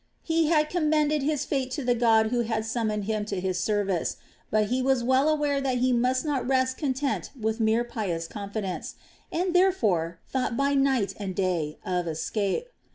He had commended his fate to the God who had summoned him to His service; but he was well aware that he must not rest content with mere pious confidence, and therefore thought by day and night of escape.